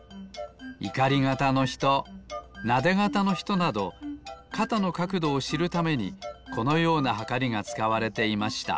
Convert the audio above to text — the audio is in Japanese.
いかり肩のひとなで肩のひとなど肩のかくどをしるためにこのようなはかりがつかわれていました。